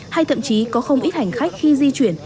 hay thậm chí có không ít hành khách khi di chuyển